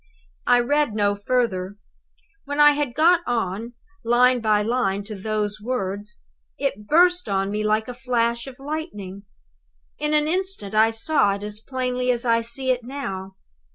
"I read no further. When I had got on, line by line, to those words, it burst on me like a flash of lightning. In an instant I saw it as plainly as I see it now.